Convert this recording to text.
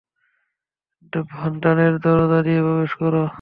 ডানের দরজা দিয়ে প্রবেশ করো।